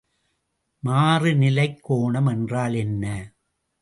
மாறுநிலைக் கோணம் என்றால் என்ன?